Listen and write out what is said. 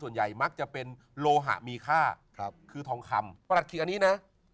ส่วนใหญ่มักจะเป็นโลหะมีค่าคือทองคำประหลัดขิกอันนี้นะ